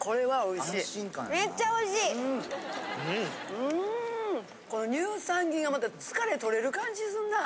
うんこれ乳酸菌がまた疲れとれる感じするな。